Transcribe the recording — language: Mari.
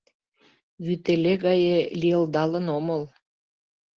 Вӱтеле гае лийылдалын омыл.